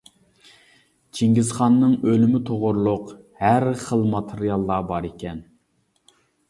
چىڭگىزخاننىڭ ئۆلۈمى توغرىلىق ھەر خىل ماتېرىياللار باركەن.